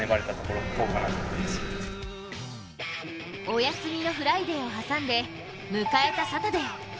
お休みのフライデーを挟んで迎えたサタデー。